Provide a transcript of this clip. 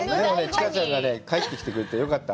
千香ちゃんが帰ってきてくれてよかった。